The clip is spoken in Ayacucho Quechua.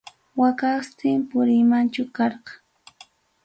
Waqastin puriymanchu karqa.